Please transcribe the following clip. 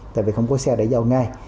tại vì không có xe để giao ngay